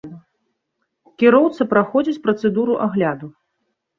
Кіроўца праходзіць працэдуру агляду.